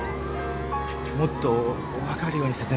もっと分かるように説明してください。